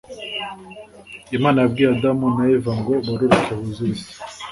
imana yabwiye adamu na eva ngo bororoke buzure isi